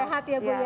sehat ya bu ya